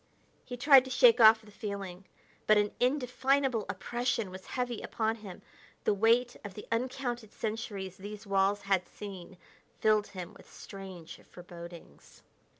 He tried to shake off the feeling, but an indefinable oppression was heavy upon him; the weight of the uncounted centuries these walls had seen filled him with strange forebodings.